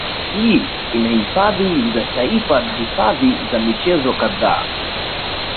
Kanda hii ina hifadhi za taifa na hifadhi za michezo kadhaa